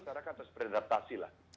masyarakat terus beradaptasi lah